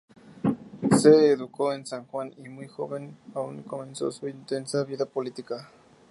Se educó en San Juan, y muy joven aún, comenzó su intensa vida política.